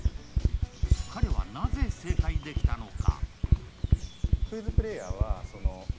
彼はなぜ正解できたのか。